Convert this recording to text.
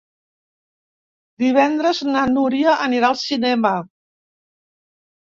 Divendres na Núria anirà al cinema.